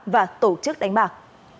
và tổ chức đánh bạc